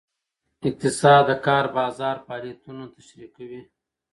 اقتصاد د کار بازار فعالیتونه تشریح کوي.